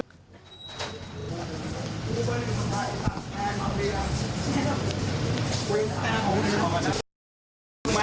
ภาคไทยไทยสองเจติกอะไรนะครับคุณแมน